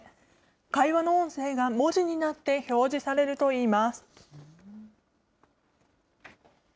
会話の音声が文字になって表示されるといいます。